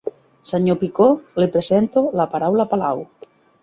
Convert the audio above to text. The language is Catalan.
Senyor Picó, li presento la paraula Palau.